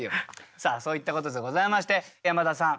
さあそういったことでございまして山田さん